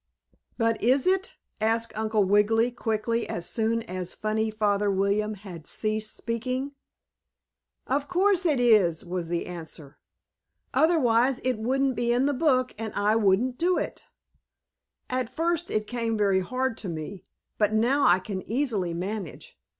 "But is it?" asked Uncle Wiggily quickly, as soon as funny Father William had ceased speaking. "Of course it is," was the answer. "Otherwise it wouldn't be in the book and I wouldn't do it. At first it came very hard to me, but now I can easily manage.